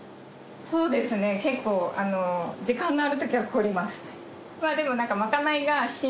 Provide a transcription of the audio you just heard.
そうですね結構時間のあるときは凝ります。